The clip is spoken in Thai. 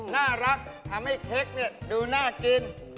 น่ารักทำให้เค้กดูน่ากิน